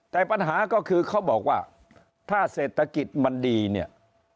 แต่ปัญหาก็คือเขาบอกว่าถ้าเศรษฐกิจมันดีเนี่ย